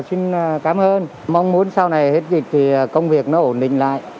xin cảm ơn mong muốn sau này hết dịch thì công việc nó ổn định lại